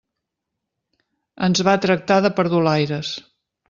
Ens va tractar de perdulaires.